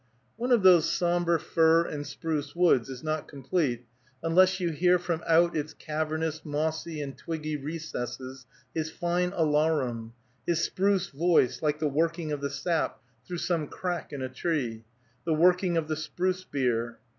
One of those sombre fir and spruce woods is not complete unless you hear from out its cavernous mossy and twiggy recesses his fine alarum, his spruce voice, like the working of the sap through some crack in a tree, the working of the spruce beer.